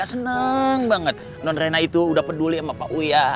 pak uya seneng banget non renna itu udah peduli sama pak uya